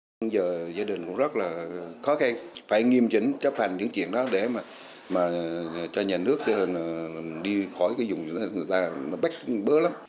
bây giờ gia đình cũng rất là khó khăn phải nghiêm trình chấp hành những chuyện đó để mà cho nhà nước đi khỏi cái vùng người ta bếp bớ lắm